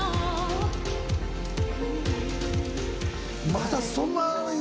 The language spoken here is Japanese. まだそんなに。